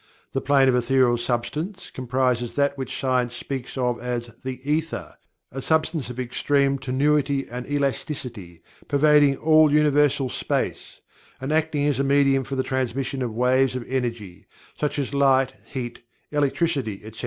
The Plane of Ethereal Substance comprises that which science speaks of as "The Ether", a substance of extreme tenuity and elasticity, pervading all Universal Space, and acting as a medium for the transmission of waves of energy, such as light, heat, electricity, etc.